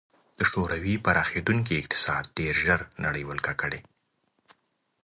د شوروي پراخېدونکی اقتصاد ډېر ژر نړۍ ولکه کړي